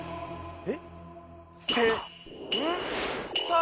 えっ？